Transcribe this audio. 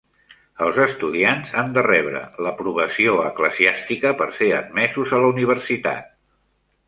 Els estudiants han de rebre l'aprovació eclesiàstica per ser admesos a la universitat.